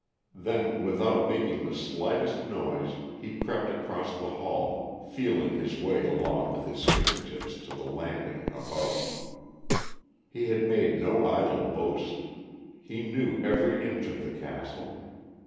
Then without making the slightest noise, he crept across the hall, feeling his way along with his finger tips to the landing above. He had made no idle boast. He knew every inch of the castle.